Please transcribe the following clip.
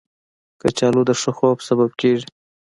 کچالو د ښه خوب سبب کېږي